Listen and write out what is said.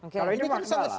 kalau ini makna lah